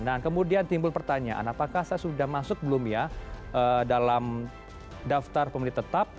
nah kemudian timbul pertanyaan apakah saya sudah masuk belum ya dalam daftar pemilih tetap